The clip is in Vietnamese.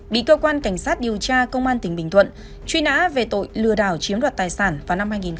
bị cơ quan cảnh sát điều tra công an tỉnh bình thuận truy nã về tội lừa đảo chiếm đoạt tài sản vào năm hai nghìn một mươi